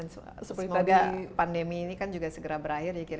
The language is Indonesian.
semoga pandemi ini kan juga segera berakhir ya kira kira